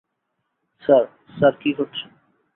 Sir, sir কী করছেন?